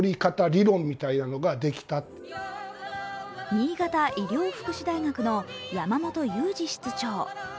新潟医療福祉大学の山本裕二室長。